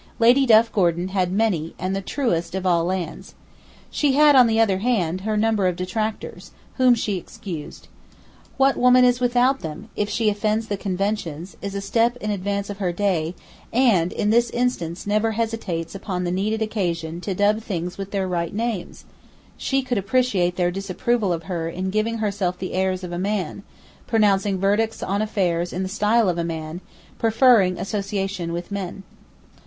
Lady Duff Gordon had many, and the truest, and of all lands. She had, on the other hand, her number of detractors, whom she excused. What woman is without them, if she offends the conventions, is a step in advance of her day, and, in this instance, never hesitates upon the needed occasion to dub things with their right names? She could appreciate their disapproval of her in giving herself the airs of a man, pronouncing verdicts on affairs in the style of a man, preferring association with men.